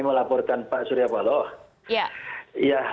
melaporkan pak surya paloh